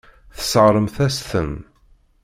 Tesseṛɣemt-as-ten.